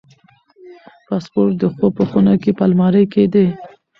پاسپورت د خوب په خونه کې په المارۍ کې دی.